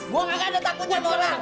gue gak ada takut sama orang